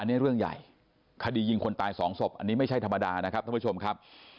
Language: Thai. อันนี้เรื่องใหญ่คดียิงคนตายสองศพอันนี้ไม่ใช่ธรรมดานะครับท่านผู้ชมครับ